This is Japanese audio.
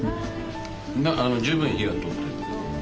十分火が通ってる。